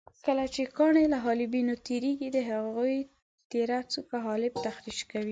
کله چې کاڼي له حالبینو تېرېږي د هغوی تېره څوکه حالب تخریش کوي.